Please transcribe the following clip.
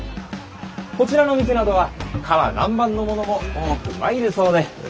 こちらの店などは唐南蛮のものも多く参るそうで！